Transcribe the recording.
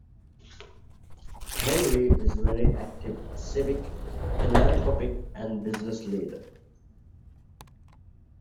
Henry is a very active civic, philanthropic, and business leader.